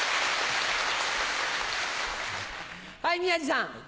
はい宮治さん。